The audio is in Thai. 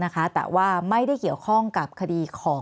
แอนตาซินเยลโรคกระเพาะอาหารท้องอืดจุกเสียดแสบร้อน